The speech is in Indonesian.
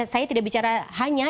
saya tidak bicara hanya